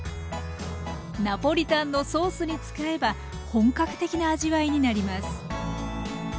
ナポリタンのソースに使えば本格的な味わいになります。